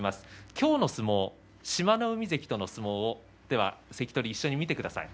今日の相撲、志摩ノ海関との相撲を関取、一緒に見てください。